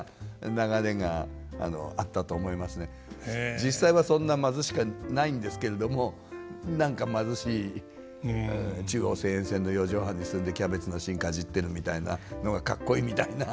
実際はそんな貧しくはないんですけれども何か貧しい中央線沿線の四畳半に住んでキャベツの芯かじってるみたいなのがかっこいいみたいな。